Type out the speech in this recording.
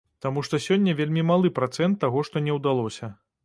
Таму што сёння вельмі малы працэнт таго што не ўдалося.